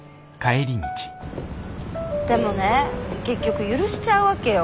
でもね結局許しちゃうわけよ。